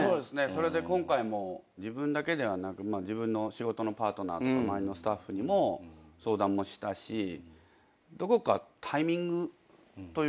それで今回も自分だけではなく自分の仕事のパートナーとか周りのスタッフにも相談もしたしどこかタイミングというか。